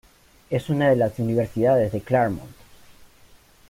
Es una de las Universidades de Claremont.